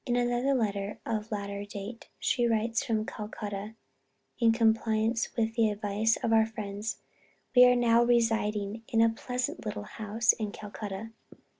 In another letter of a later date she writes from Calcutta: "In compliance with the advice of our friends, we are now residing in a pleasant little house in Calcutta.